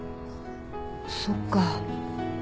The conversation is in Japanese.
そっか。